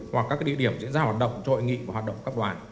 hoặc các địa điểm diễn ra hoạt động cho hội nghị và hoạt động các đoàn